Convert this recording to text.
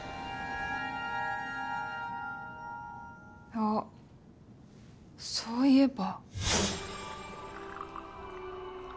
あっそういえば。